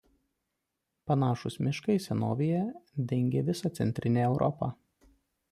Panašūs miškai senovėje dengė visą Centrinę Europą.